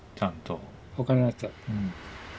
分かりました。